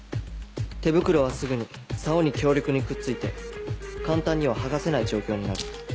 手袋はすぐに竿に強力にくっついて簡単には剥がせない状況になる。